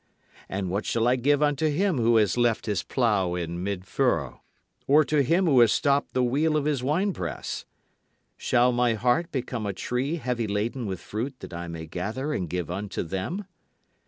And what shall I give unto him who has left his plough in midfurrow, or to him who has stopped the wheel of his winepress? Shall my heart become a tree heavy laden with fruit that I may gather and give unto them?